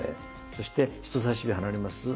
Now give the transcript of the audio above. そして人さし指離れます。